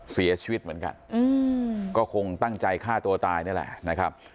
เสียชีวิตเหมือนกันก็คงตั้งใจฆ่าตัวตายนี่แหละนะครับ